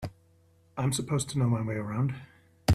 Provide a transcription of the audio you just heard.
I'm supposed to know my way around.